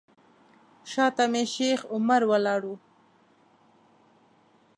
شاته مې شیخ عمر ولاړ و.